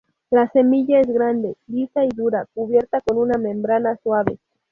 La semilla es grande, lisa y dura, cubierta con una membrana suave.